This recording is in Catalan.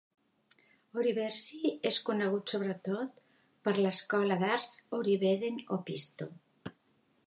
Orivesi és conegut sobretot per l'escola d'arts Oriveden Opisto.